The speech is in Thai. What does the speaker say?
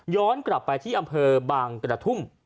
กลับไปที่อำเภอบางกระทุ่ม